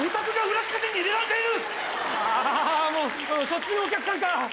そっちのお客さんか。